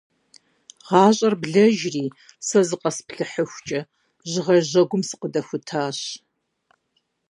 ГъащӀэр блэжри, сэ зыкъэсплъыхьыхукӀэ, жьыгъэ жьэгум сыкъыдэхутащ.